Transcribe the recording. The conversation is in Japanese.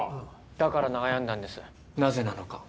だから悩んだんですなぜなのか。